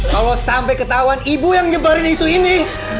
kalau sampai ketahuan ibu yang nyebarin isu ini